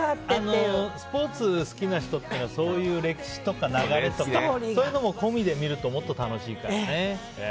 スポーツ好きな人っていうのはそういう歴史とか流れとかそういうのも込みで見るともっと楽しいからね。